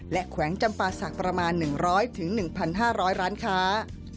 และแขวงจำปาศักดิ์ประมาณ๑๐๐๑๕๐๐ร้านค้า